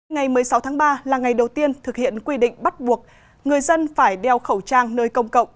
ngày một mươi sáu tháng ba là ngày đầu tiên thực hiện quy định bắt buộc người dân phải đeo khẩu trang nơi công cộng